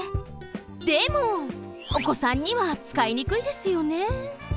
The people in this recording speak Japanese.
でもおこさんにはつかいにくいですよね？